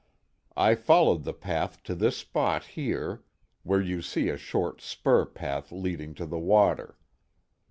I followed the path to this spot here, where you see a short spur path leading to the water.